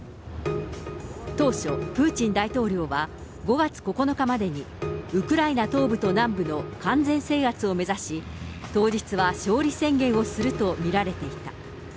当初、プーチン大統領は、５月９日までに、ウクライナ東部と南部の完全制圧を目指し、当日は勝利宣言をすると見られていた。